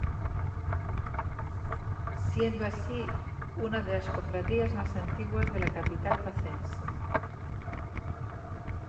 Siendo así una de las cofradías más antiguas de la capital pacense.